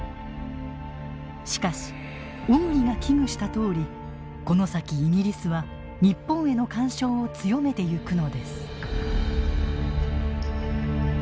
しかし小栗が危惧したとおりこの先イギリスは日本への干渉を強めてゆくのです。